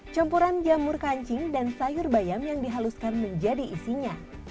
campuran jamur kancing dan sayur bayam yang dihaluskan menjadi isinya